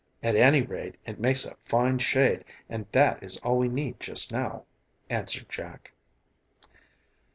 "At any rate it makes a fine shade and that is all we need just now," answered Jack.